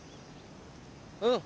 うん。